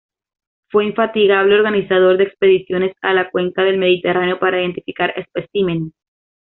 Fue infatigable organizador de expediciones a la cuenca del Mediterráneo para identificar especímenes.